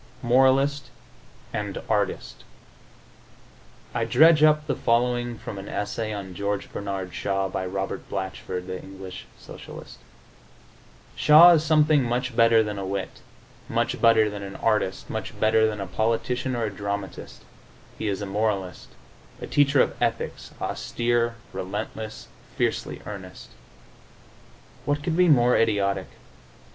XVIII MORALIST AND ARTIST I dredge up the following from an essay on George Bernard Shaw by Robert Blatchford, the English Socialist: "Shaw is something much better than a wit, much better than an artist, much better than a politician or a dramatist; he is a moralist, a teacher of ethics, austere, relentless, fiercely earnest." What could be more idiotic?